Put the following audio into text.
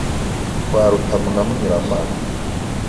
Kwa Rutamu na Munyuramato